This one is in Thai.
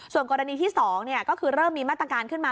ส่วนกรณีที่๒ก็คือเริ่มมีมาตรการขึ้นมา